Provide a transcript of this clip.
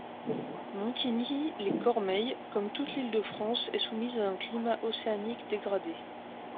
Montigny-lès-Cormeilles comme toute l'Île-de-France est soumise à un climat océanique dégradé.